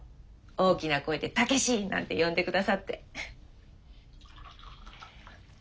大きな声で「武志！」なんて呼んでくださって。